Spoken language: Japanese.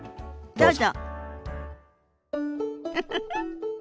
どうぞ。